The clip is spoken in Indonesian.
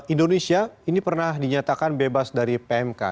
indonesia ini pernah dinyatakan bebas dari pmk